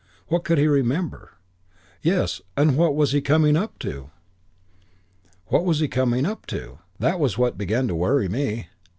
What would he remember? Yes, and what was he coming up to? "What was he coming up to? That was what began to worry me.